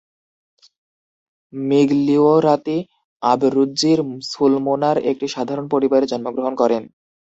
মিগলিওরাতি আবরুজ্জির সুলমোনার একটি সাধারণ পরিবারে জন্মগ্রহণ করেন।